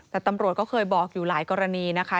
แต่ตำรวจก็เคยบอกอยู่หลายกรณีนะคะ